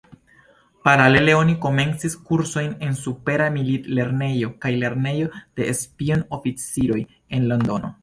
Paralele oni komencis kursojn en Supera Milit-Lernejo kaj Lernejo de Spion-Oficiroj en Londono.